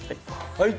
はい。